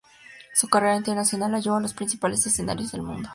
Su carrera internacional la llevó a los principales escenarios del mundo.